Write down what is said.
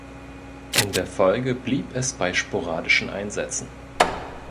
In der Folge blieb es bei sporadischen Einsätzen.